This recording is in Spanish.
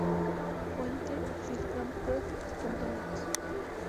Fuente: Flighmapper.net